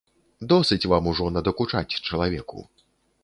Досыць вам ужо надакучаць чалавеку.